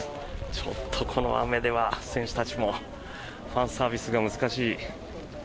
ちょっとこの雨では選手たちもファンサービスが難しい。